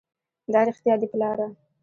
دا رښتيا دي پلاره!